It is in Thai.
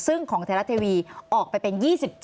ซึ่งของไทยรัฐทีวีออกไปเป็น๒๗